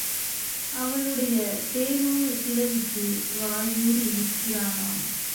அவளுடைய தேனூறு கிளவிக்கு வாயூறி நிற்கிறானாம்.